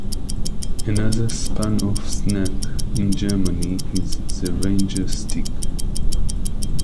Another spun-off snack in Germany is the "Ranger" stick.